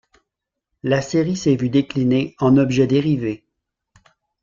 La série s'est vue déclinée en objets dérivés.